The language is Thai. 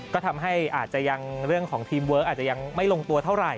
ก็ทำให้อาจจะยังเรื่องของทีมเวิร์คอาจจะยังไม่ลงตัวเท่าไหร่